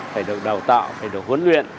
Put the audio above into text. phải được đào tạo phải được huấn luyện